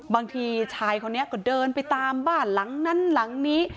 บางทีชายคนนี้ก็เดินไปตามบ้านหลังนั้นหลังนี้